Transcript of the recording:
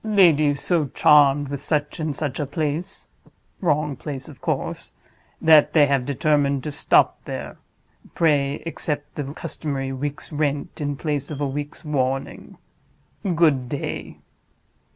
'Ladies so charmed with such and such a place (wrong place of course), that they have determined to stop there. Pray accept the customary week's rent, in place of a week's warning. Good day.